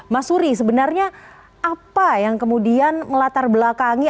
mas suri sebenarnya apa yang kemudian melatar belakangi